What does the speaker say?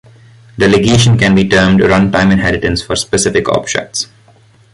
Delegation can be termed run-time inheritance for specific objects.